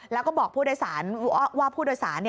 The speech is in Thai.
แล้วก็บอกผู้โดยสารว่าผู้โดยสาร